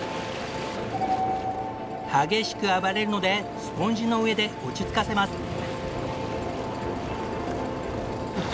激しく暴れるのでスポンジの上で落ち着かせます。